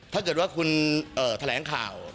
ถ้าเกิดว่าคุณแถลงข่าว